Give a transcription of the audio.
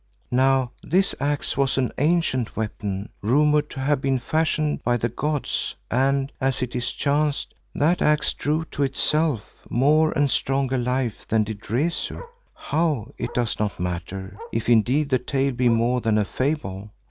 Now this axe was an ancient weapon rumoured to have been fashioned by the gods and, as it chanced, that axe drew to itself more and stronger life than did Rezu, how, it does not matter, if indeed the tale be more than a fable.